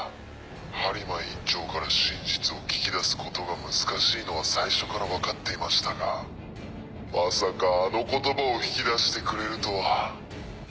播磨院長から真実を聞き出すことが難しいのは最初から分かっていましたがまさかあの言葉を引き出してくれるとは。